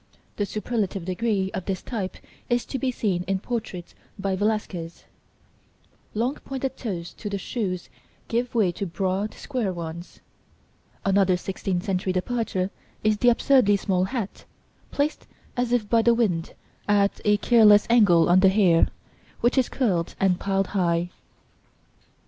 (The superlative degree of this type is to be seen in portraits by Velasquez (see Plate IX).) Long pointed toes to the shoes give way to broad, square ones. Another sixteenth century departure is the absurdly small hat, placed as if by the wind, at a careless angle on the hair, which is curled and piled high.